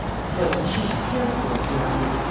What had she to care for? he argued.